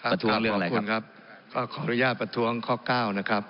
ประท้วงเรื่องอะไรคุณครับก็ขออนุญาตประท้วงข้อเก้านะครับ